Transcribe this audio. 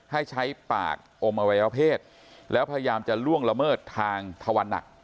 ให้ใช้ปากอมอวัยวเพศแล้วพยายามจะล่วงละเมิดทางทวันหนัก